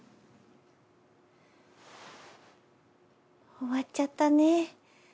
終わっちゃったねぇ。